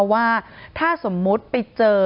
ว่าถ้าสมมุติไปเจอ